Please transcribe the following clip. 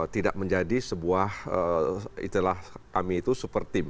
tidak menjadi sebuah istilah kami itu super team